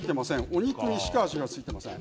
お肉にしか味は付いていません。